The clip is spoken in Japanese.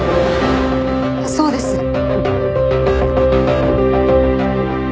そうです。